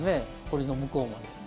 掘の向こうまで。